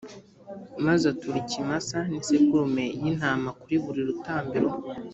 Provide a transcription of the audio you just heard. maze atura ikimasa n’isekurume y’intama kuri buri rutambiro.